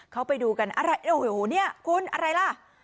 เข้าไปดูกันโอ้โหนี่คุณอะไรล่ะ